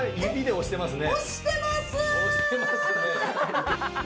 押してますね。